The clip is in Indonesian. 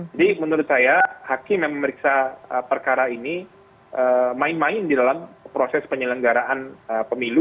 jadi menurut saya hakim yang memeriksa perkara ini main main di dalam proses penyelenggaraan pemilu